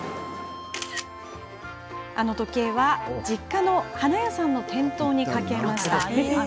時計は、実家の花屋さんの店頭に掛けました。